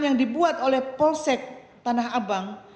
yang dibuat oleh polsek tanah abang